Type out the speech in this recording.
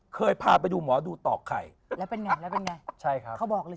เคยพาไปดูหมอดูตอกไข่แล้วเป็นไงเขาบอกเลยใช่ไหม